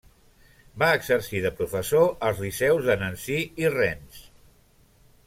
Va exercir de professor als liceus de Nancy i Rennes.